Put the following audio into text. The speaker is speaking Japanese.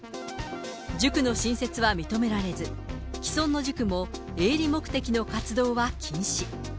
塾の新設は認められず、既存の塾も営利目的の活動は禁止。